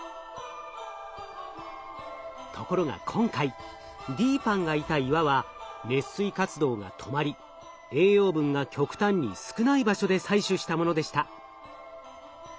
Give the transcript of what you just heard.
ところが今回ＤＰＡＮＮがいた岩は熱水活動が止まり栄養分が極端に少ない場所で採取したものでした。